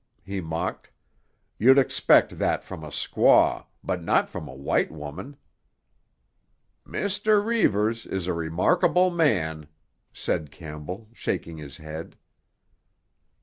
he mocked. "You'd expect that from a squaw, but not from a white woman." "Mr. Reivers is a remarkable man," said Campbell, shaking his head.